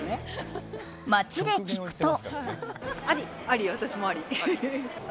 街で聞くと。